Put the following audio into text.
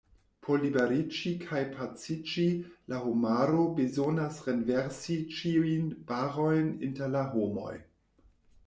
Por liberiĝi kaj paciĝi la homaro bezonas renversi ĉiujn barojn inter la homoj.